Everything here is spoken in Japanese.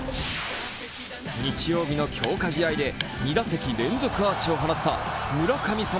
日曜日の強化試合で２打席連続アーチを放った村神様